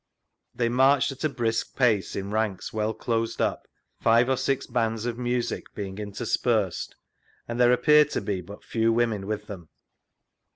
They marched at a brisk pace in ranks well closed up, tfilve or six bands of music being interspersed, and there appeared to be but few women with them.